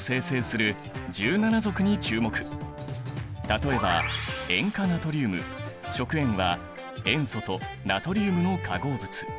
例えば塩化ナトリウム食塩は塩素とナトリウムの化合物。